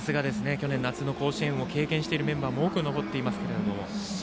去年夏の甲子園を経験しているメンバーも多く残っています。